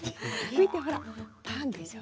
見てほらパンでしょ